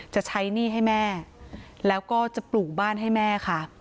จะใช้หนี้ให้แม่แล้วก็จะปลูกบ้านให้แม่ค่ะ